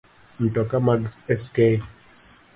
Mtoka mag sk